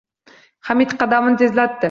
Hamid qadamini tezlatdi